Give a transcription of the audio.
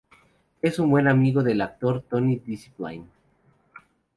Es muy buen amigo del actor Tony Discipline.